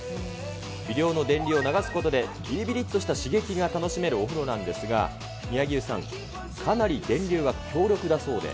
微量の電流を流すことで、びりびりっとした刺激が楽しめるお風呂なんですが、宮城湯さん、かなり電流が強力だそうで。